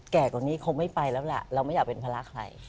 แก่กว่านี้คงไม่ไปแล้วแหละ